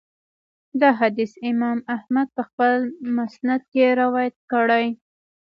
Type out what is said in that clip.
دا حديث امام احمد په خپل مسند کي روايت کړی